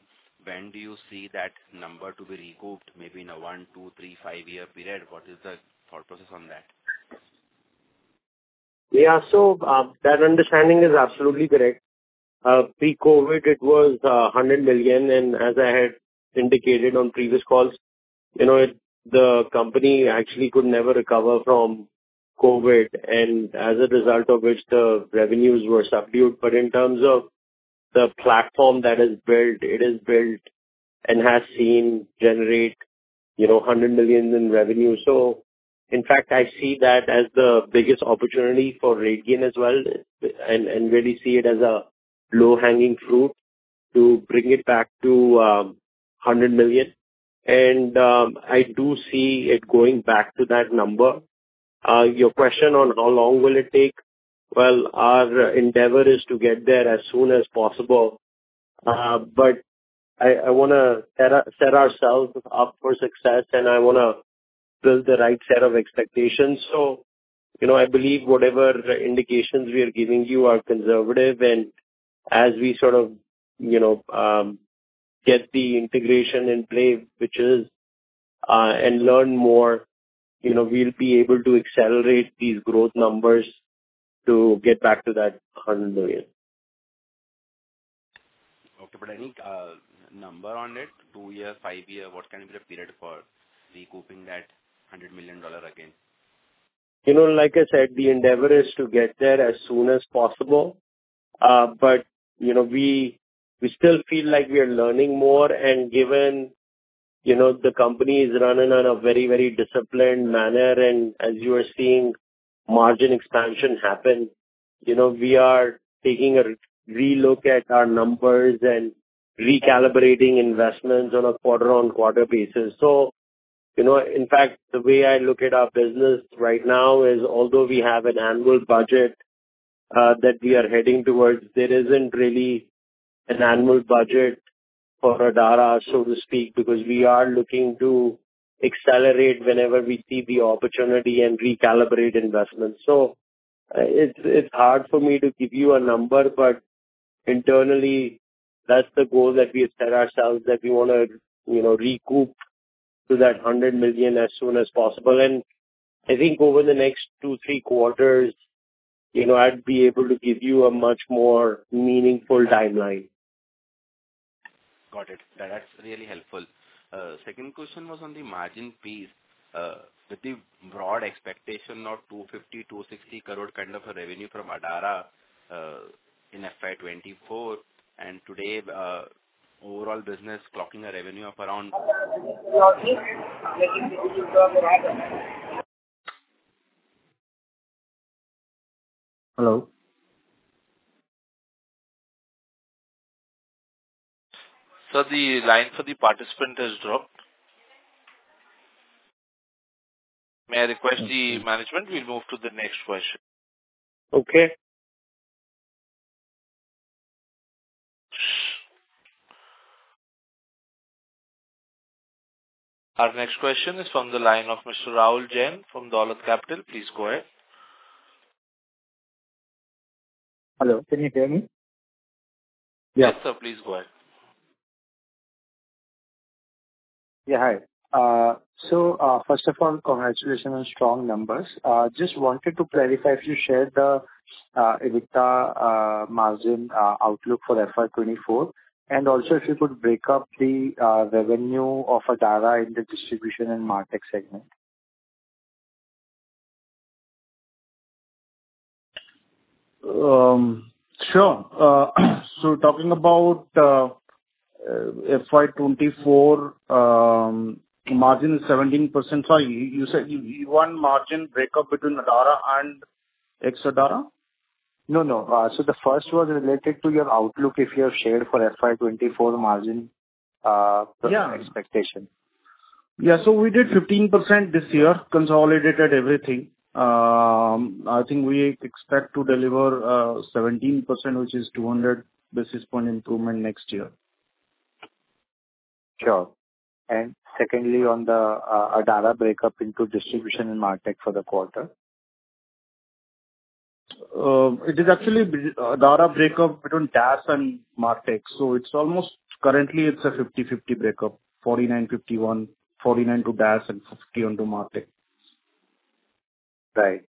S10: when do you see that number to be recouped? Maybe in a 1, 2, 3, 5-year period. What is the thought process on that?
S2: Yeah. That understanding is absolutely correct. pre-COVID it was $100 million, as I had indicated on previous calls, you know, the company actually could never recover from COVID, and as a result of which, the revenues were subdued. In terms of the platform that is built, it is built and has seen generate, you know, $100 million in revenue. In fact, I see that as the biggest opportunity for RateGain as well and really see it as a low-hanging fruit to bring it back to $100 million. I do see it going back to that number. Your question on how long will it take? Well, our endeavor is to get there as soon as possible. But I wanna set our, set ourselves up for success, and I wanna build the right set of expectations. You know, I believe whatever indications we are giving you are conservative. As we sort of, you know, get the integration in play, which is, and learn more, you know, we'll be able to accelerate these growth numbers to get back to that $100 million.
S10: Okay. Any number on it, two year, five year, what kind of a period for recouping that $100 million again?
S2: You know, like I said, the endeavor is to get there as soon as possible. But, you know, we still feel like we are learning more and given, you know, the company is running on a very, very disciplined manner. As you are seeing margin expansion happen, you know, we are taking a relook at our numbers and recalibrating investments on a quarter on quarter basis. You know, in fact, the way I look at our business right now is although we have an annual budget that we are heading towards, there isn't really an annual budget for Adara, so to speak, because we are looking to accelerate whenever we see the opportunity and recalibrate investments. It's, it's hard for me to give you a number, but internally that's the goal that we have set ourselves, that we wanna, you know, recoup to that $100 million as soon as possible. I think over the next two, three quarters, you know, I'd be able to give you a much more meaningful timeline.
S10: Got it. That's really helpful. Second question was on the margin piece. With the broad expectation of 250 crore-260 crore kind of a revenue from Adara, in FY 2024 and today, overall business clocking a revenue of.
S1: Hello? Sir, the line for the participant has dropped. May I request the management, we move to the next question.
S2: Okay.
S1: Our next question is from the line of Mr. Rahul Jain from Dolat Capital. Please go ahead.
S11: Hello, can you hear me?
S1: Yes, sir, please go ahead.
S11: Yeah. Hi. First of all, congratulations on strong numbers. Just wanted to clarify, if you share EBITDA margin outlook for FY 2024. Also if you could break up the revenue of Adara in the distribution and MarTech segment.
S3: Sure. Talking about FY 2024, margin is 17%. Sorry, you said you want margin break up between Adara and ex-Adara?
S11: No, no. The first was related to your outlook, if you have shared for FY 2024 margin?
S3: Yeah.
S11: current expectation.
S3: Yeah. We did 15% this year, consolidated everything. I think we expect to deliver 17%, which is 200 basis point improvement next year.
S11: Sure. secondly, on the Adara breakup into distribution and MarTech for the quarter.
S2: It is actually Adara breakup between DaaS and MarTech. Currently it's a 50/50 breakup, 49/51. 49 to DaaS and 50 onto MarTech.
S11: Right.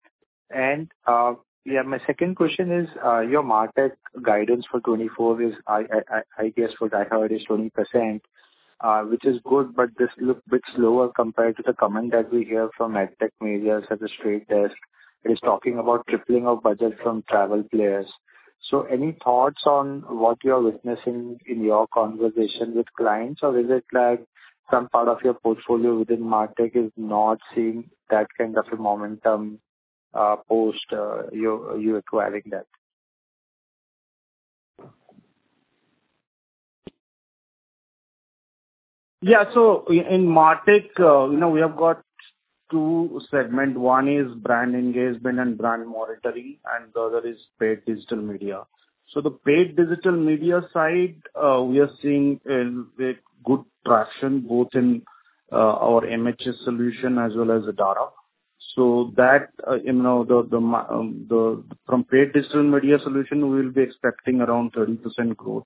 S11: Yeah, my second question is your MarTech guidance for 2024 is I guess for 20%, which is good, but this looks bit slower compared to the comment that we hear from AdTech media is talking about tripling of budget from travel players. Any thoughts on what you're witnessing in your conversation with clients? Or is it like some part of your portfolio within MarTech is not seeing that kind of a momentum post you acquiring that?
S2: In MarTech, you know, we have got two segment. One is brand engagement and brand monitoring, and the other is paid digital media. The paid digital media side, we are seeing a bit good traction both in our MHS solution as well as Adara. That, you know, from paid digital media solution, we'll be expecting around 30% growth.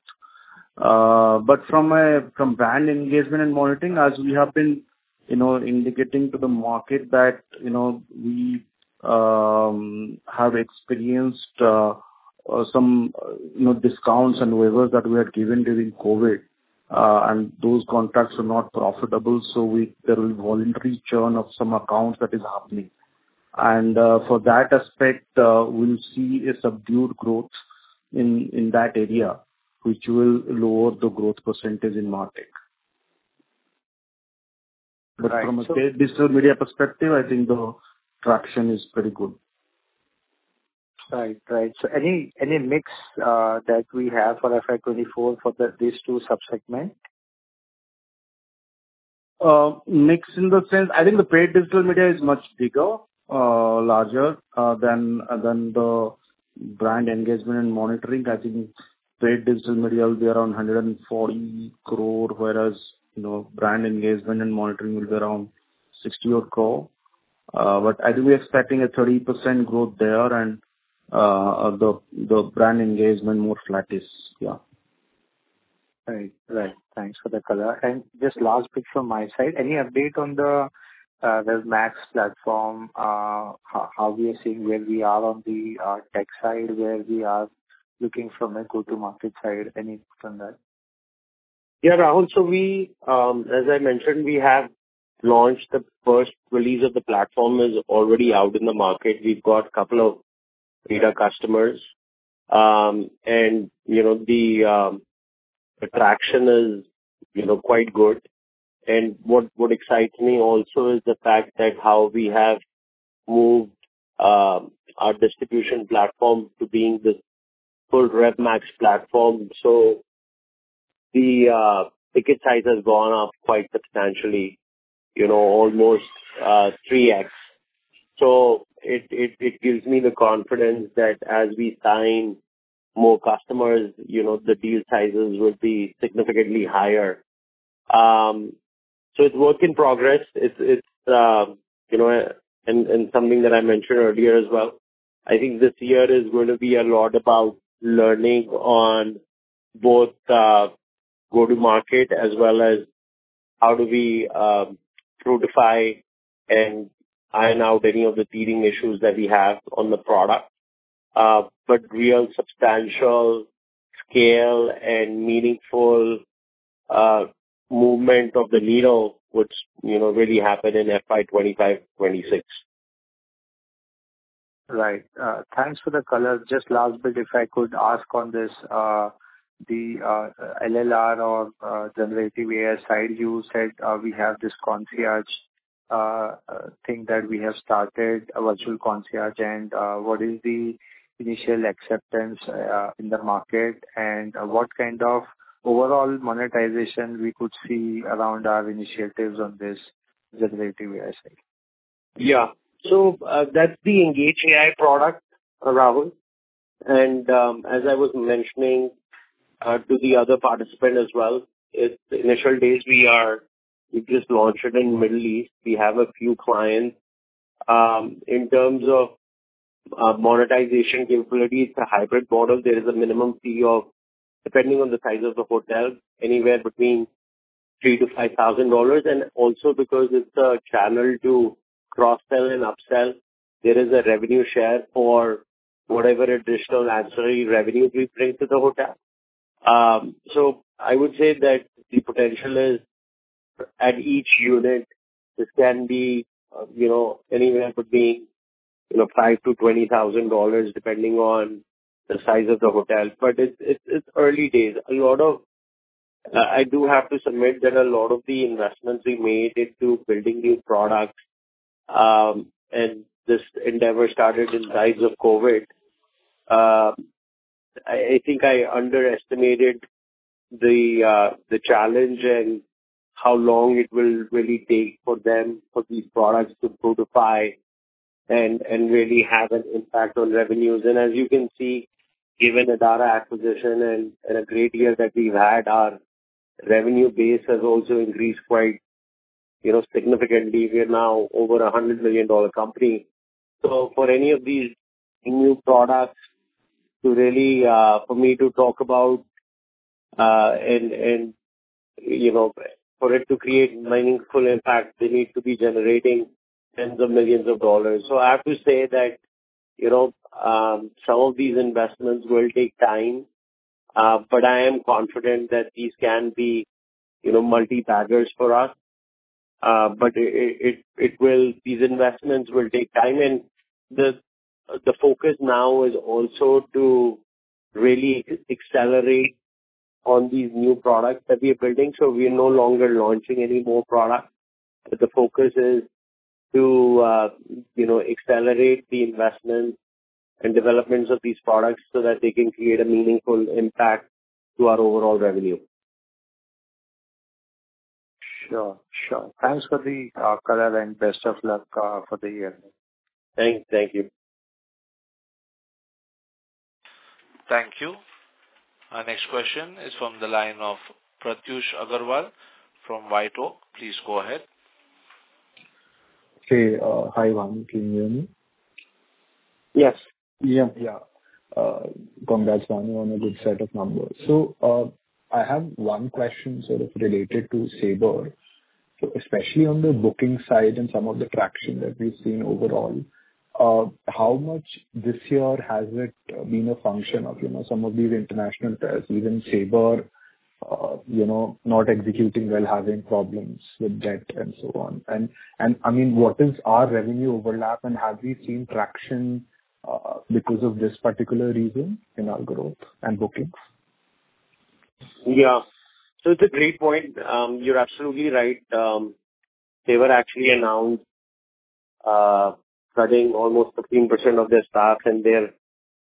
S2: But from a, from brand engagement and monitoring, as we have been, you know, indicating to the market that, you know, we have experienced some, you know, discounts and waivers that we had given during COVID, and those contracts were not profitable. There is voluntary churn of some accounts that is happening. For that aspect, we'll see a subdued growth in that area, which will lower the growth percentage in MarTech.
S11: Right.
S2: From a paid digital media perspective, I think the traction is pretty good.
S11: Right. Right. Any mix that we have for FY 2024 for these two sub-segments?
S2: Mix in the sense... I think the paid digital media is much bigger, larger, than the brand engagement and monitoring. I think paid digital media will be around 140 crore, whereas, you know, brand engagement and monitoring will be around 60 odd crore. I think we're expecting a 30% growth there and the brand engagement more flattish.
S11: Right. Thanks for the color. Just last bit from my side. Any update on the RevMax platform? How we are seeing where we are on the tech side, where we are looking from a go-to-market side? Any updates on that?
S2: Yeah, Rahul. We, as I mentioned, we have launched. The first release of the platform is already out in the market. We've got 2 beta customers. You know, the traction is, you know, quite good. What excites me also is the fact that how we have moved our distribution platform to being this full RevMax platform. The ticket size has gone up quite substantially, you know, almost 3x. It gives me the confidence that as we sign more customers, you know, the deal sizes will be significantly higher. It's work in progress. It's, you know... Something that I mentioned earlier as well, I think this year is gonna be a lot about learning on both go-to-market as well as how do we productify and iron out any of the teething issues that we have on the product. Real substantial scale and meaningful movement of the needle would, you know, really happen in FY 2025/2026.
S11: Right. Thanks for the color. Just last bit, if I could ask on this, the LLM or generative AI side. You said, we have this concierge thing that we have started, a virtual concierge. What is the initial acceptance in the market, and what kind of overall monetization we could see around our initiatives on this generative AI side?
S2: Yeah. That's the Engage AI product, Rahul. As I was mentioning, to the other participant as well, it's initial days. We just launched it in Middle East. We have a few clients. In terms of monetization capabilities, it's a hybrid model. There is a minimum fee of, depending on the size of the hotel, anywhere between $3,000-$5,000. Also because it's a channel to cross-sell and up-sell, there is a revenue share for whatever additional ancillary revenue we bring to the hotel. I would say that the potential is at each unit, this can be, you know, anywhere between, you know, $5,000-$20,000, depending on the size of the hotel. It's early days. I do have to submit that a lot of the investments we made into building new products, and this endeavor started in the heights of COVID, I think I underestimated the challenge and how long it will really take for these products to fructify and really have an impact on revenues. As you can see, given the data acquisition and a great year that we've had, our revenue base has also increased quite, you know, significantly. We are now over a $100 million company. For any of these new products to really, for me to talk about, and, you know, for it to create meaningful impact, they need to be generating tens of millions of dollars. I have to say that, you know, some of these investments will take time, but I am confident that these can be, you know, multi-baggers for us. But these investments will take time. The focus now is also to really accelerate on these new products that we are building, so we are no longer launching any more products. The focus is to, you know, accelerate the investment and developments of these products so that they can create a meaningful impact to our overall revenue.
S11: Sure. Sure. Thanks for the color and best of luck for the year.
S2: Thank you.
S1: Thank you. Our next question is from the line of Pratyush Agarwal from Vitol. Please go ahead.
S12: Hey, hi, Bhanu Chopra. Good evening.
S2: Yes.
S12: Yeah, congrats, Bhanu, on a good set of numbers. I have 1 question sort of related to Sabre, especially on the booking side and some of the traction that we've seen overall. How much this year has it been a function of, you know, some of these international tests, even Sabre, you know, not executing well, having problems with debt and so on? I mean, what is our revenue overlap, and have we seen traction because of this particular reason in our growth and bookings?
S2: Yeah. It's a great point. You're absolutely right. They were actually announced, cutting almost 15% of their staff, and they're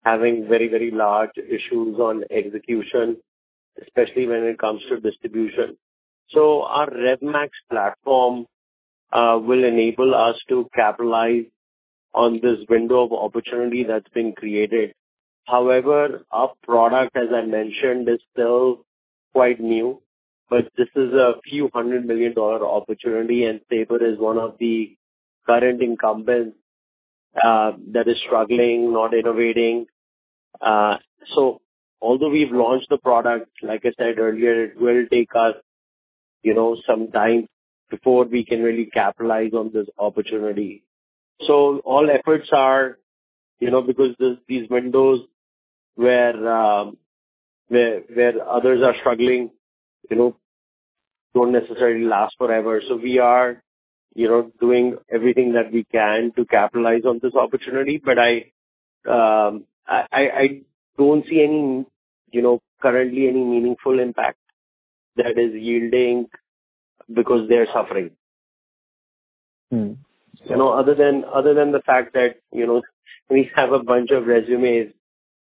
S2: having very, very large issues on execution, especially when it comes to distribution. Our RevMax platform will enable us to capitalize on this window of opportunity that's been created. However, our product, as I mentioned, is still quite new, but this is a $few hundred million opportunity, and Sabre is one of the current incumbents that is struggling, not innovating. Although we've launched the product, like I said earlier, it will take us, you know, some time before we can really capitalize on this opportunity. All efforts are, you know, because these windows where others are struggling, you know, don't necessarily last forever. We are, you know, doing everything that we can to capitalize on this opportunity. I don't see any, you know, currently any meaningful impact that is yielding because they're suffering. You know, other than the fact that, you know, we have a bunch of resumes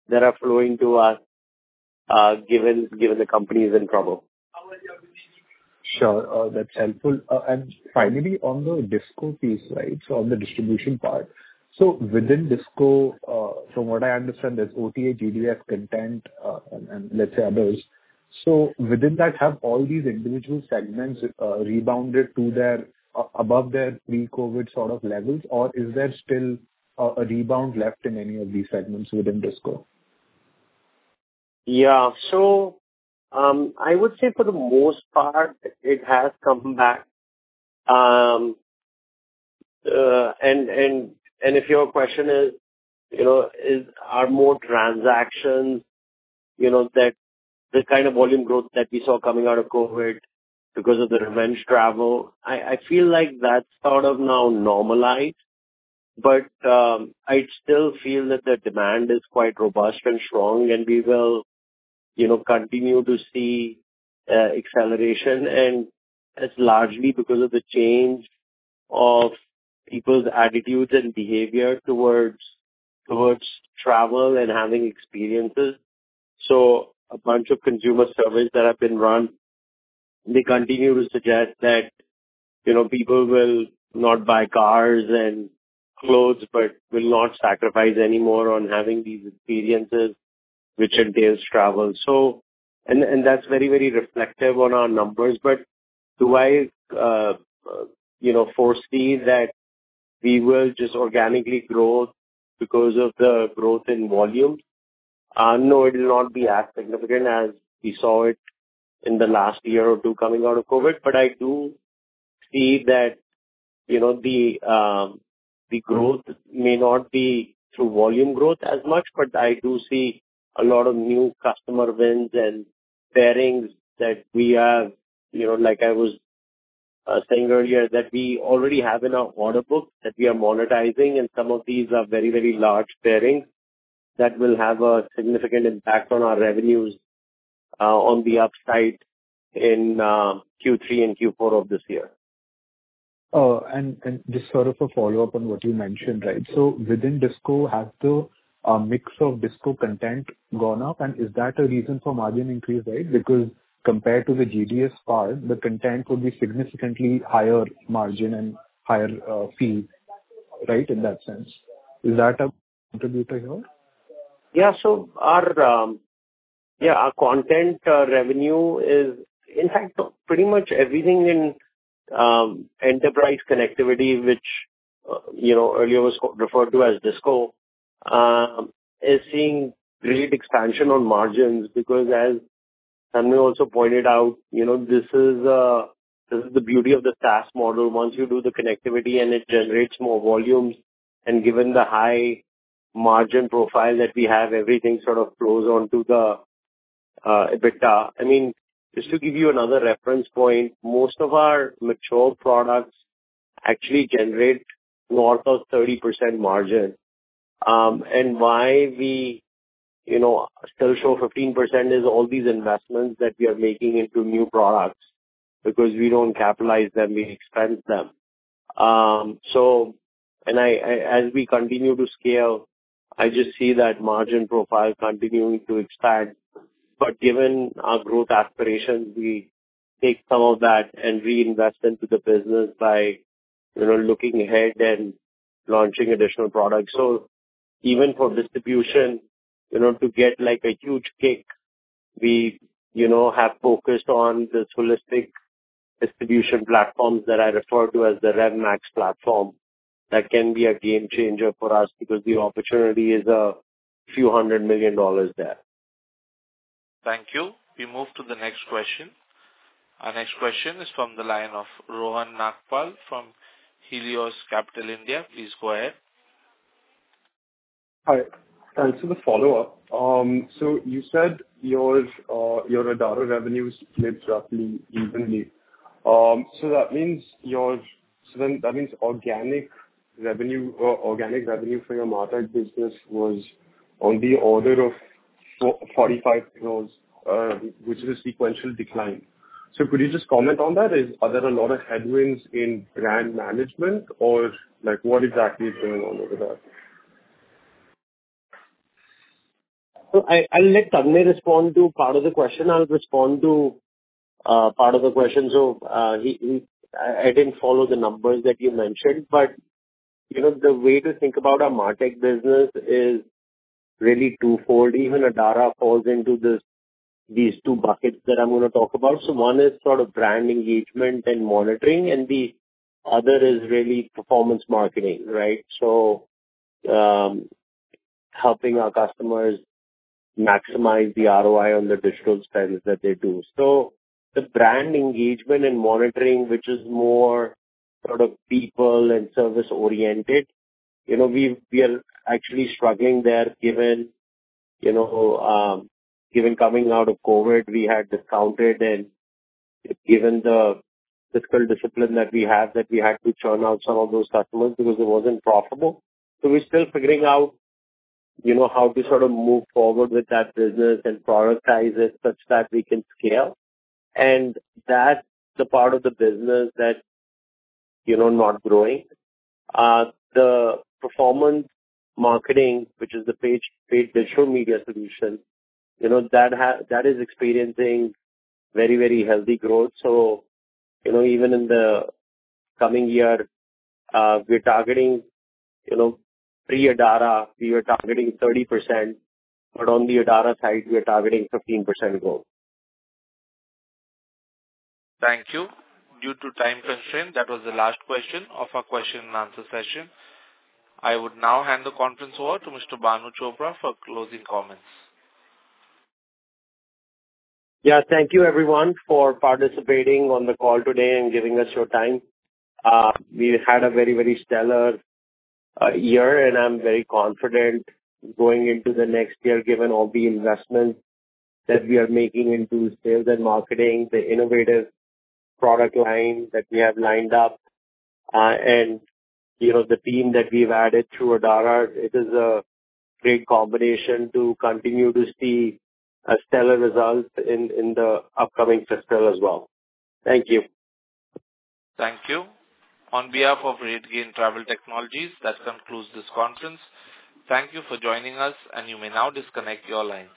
S2: that are flowing to us, given the company is in trouble.
S12: Sure. That's helpful. Finally on the DHISCO piece, right? On the distribution part. Within DHISCO, from what I understand, there's OTA, GDS content, and let's say others. Within that, have all these individual segments, rebounded to their above their pre-COVID sort of levels, or is there still a rebound left in any of these segments within DHISCO?
S2: Yeah. I would say for the most part it has come back. If your question is, you know, are more transactions, you know, that the kind of volume growth that we saw coming out of COVID because of the revenge travel, I feel like that's sort of now normalized. I still feel that the demand is quite robust and strong and we will, you know, continue to see acceleration, and it's largely because of the change of people's attitudes and behavior towards travel and having experiences. A bunch of consumer surveys that have been run, they continue to suggest that, you know, people will not buy cars and clothes, but will not sacrifice any more on having these experiences, which entails travel. That's very, very reflective on our numbers. Do I, you know, foresee that we will just organically grow because of the growth in volume. No, it will not be as significant as we saw it in the last year or two coming out of COVID. I do see that, you know, the growth may not be through volume growth as much, but I do see a lot of new customer wins and pairings that we have, you know, like I was saying earlier, that we already have in our order book that we are monetizing, and some of these are very, very large pairings that will have a significant impact on our revenues on the upside in Q3 and Q4 of this year.
S12: Just sort of a follow-up on what you mentioned, right? Within DHISCO, has the mix of DHISCO content gone up? Is that a reason for margin increase, right? Compared to the GDS part, the content would be significantly higher margin and higher fee, right? In that sense. Is that a contributor here?
S2: Our content revenue is... In fact, pretty much everything in enterprise connectivity, which, you know, earlier was referred to as DHISCO, is seeing great expansion on margins because as Tanmay also pointed out, you know, this is the beauty of the SaaS model. Once you do the connectivity and it generates more volumes, and given the high margin profile that we have, everything sort of flows on to the EBITDA. I mean, just to give you another reference point, most of our mature products actually generate north of 30% margin. Why we, you know, still show 15% is all these investments that we are making into new products, because we don't capitalize them, we expense them. I... as we continue to scale, I just see that margin profile continuing to expand. Given our growth aspirations, we take some of that and reinvest into the business by, you know, looking ahead and launching additional products. Even for distribution, you know, to get, like, a huge kick, we, you know, have focused on this holistic distribution platforms that I refer to as the RevMax platform. That can be a game changer for us because the opportunity is a few $100 million there.
S1: Thank you. We move to the next question. Our next question is from the line of Rohan Nagpal from Helios Capital India. Please go ahead.
S6: Hi. Thanks for the follow-up. You said your Adara revenues split roughly evenly. That means organic revenue, or organic revenue for your MarTech business was on the order of 45 crores, which is a sequential decline. Could you just comment on that? Are there a lot of headwinds in brand management or, like, what exactly is going on over there?
S2: I'll let Tanmay respond to part of the question. I'll respond to part of the question. I didn't follow the numbers that you mentioned, but, you know, the way to think about our MarTech business is really twofold. Even Adara falls into this, these two buckets that I'm gonna talk about. One is sort of brand engagement and monitoring, and the other is really performance marketing, right? Helping our customers maximize the ROI on the digital spends that they do. The brand engagement and monitoring, which is more sort of people and service oriented, you know, we are actually struggling there, given, you know, given coming out of COVID, we had discounted and given the fiscal discipline that we have, that we had to churn out some of those customers because it wasn't profitable. We're still figuring out, you know, how to sort of move forward with that business and prioritize it such that we can scale. That's the part of the business that, you know, not growing. The performance marketing, which is the paid digital media solution, you know, that is experiencing very, very healthy growth. Even in the coming year, we're targeting, you know, pre-Adara, we are targeting 30%, but on the Adara side we are targeting 15% growth.
S1: Thank you. Due to time constraint, that was the last question of our question and answer session. I would now hand the conference over to Mr. Bhanu Chopra for closing comments.
S2: Thank you everyone for participating on the call today and giving us your time. We had a very stellar year. I'm very confident going into the next year, given all the investments that we are making into sales and marketing, the innovative product line that we have lined up, and, you know, the team that we've added through Adara. It is a great combination to continue to see a stellar result in the upcoming fiscal as well. Thank you.
S1: Thank you. On behalf of RateGain Travel Technologies, that concludes this conference. Thank you for joining us, and you may now disconnect your lines.